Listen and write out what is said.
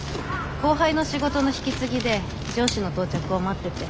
後輩の仕事の引き継ぎで上司の到着を待ってて。